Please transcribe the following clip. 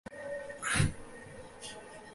তবে আমি আবার আসছি পরের সপ্তাহে একই সময় একই জায়গায়।